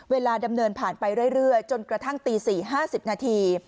เวลาดำเนินผ่านไปเรื่อยจนกระทั่งตี๔๕๐นาที